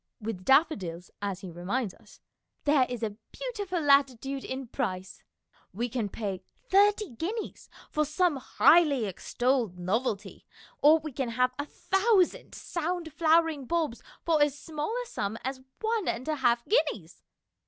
With daffodils, as he reminds us, " there is a beautiful latitude in price." We can pay " thirty guineas for some highly extolled novelty, or we can have a thousand sound flowering bulbs for as small a sum as one and a half guineas.